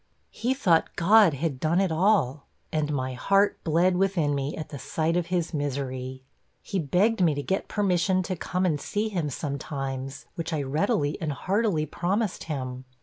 He thought God had done it all and my heart bled within me at the sight of his misery. He begged me to get permission to come and see him sometimes, which I readily and heartily promised him.'